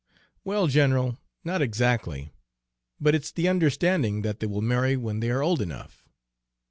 "Well, general, not exactly; but it's the understanding that they will marry when they are old enough."